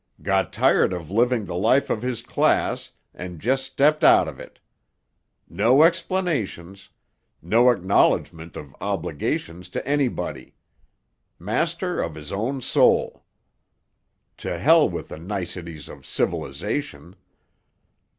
"Got tired of living the life of his class, and just stepped out of it. No explanations; no acknowledgement of obligations to anybody. Master of his own soul. To —— with the niceties of civilisation!